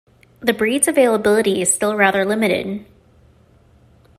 The breed's availability is still rather limited.